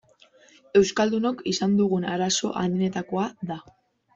Euskaldunok izan dugun arazo handienetakoa da.